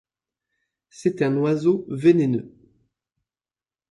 C'est un oiseau vénéneux.